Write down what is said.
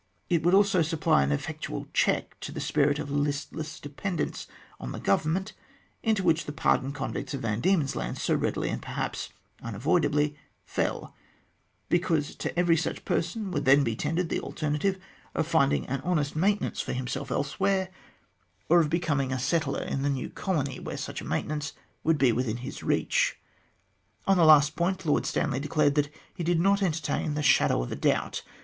It would also supply an effectual check to the spirit of listless dependence on the Government, into which the pardoned convicts of Van Diemen's Land so readily, and perhaps unavoidably, fell, because to every such person would then be tendered the alternative of finding an honest maintenance for himself elsewhere, or of becoming a settler in the new colony, where such a maintenance would be within his reach. On the last point, Lord Stanley declared that he did not entertain the shadow of a doubt.